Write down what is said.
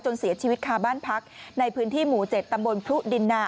เสียชีวิตคาบ้านพักในพื้นที่หมู่๗ตำบลพรุดินนา